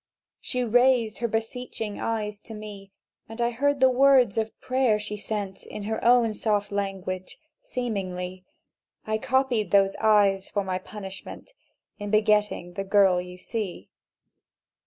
"She raised her beseeching eyes to me, And I heard the words of prayer she sent In her own soft language ... Seemingly I copied those eyes for my punishment In begetting the girl you see!